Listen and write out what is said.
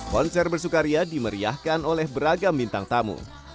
konser bersukaria dimeriahkan oleh beragam bintang tamu